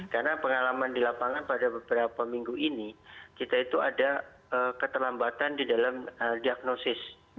karena pengalaman di lapangan pada beberapa minggu ini kita itu ada keterlambatan di dalam diagnosis